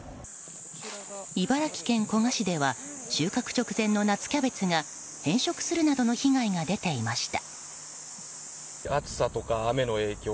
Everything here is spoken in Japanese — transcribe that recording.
茨城県古河市では収穫直前の夏キャベツが変色するなどの被害が出ていました。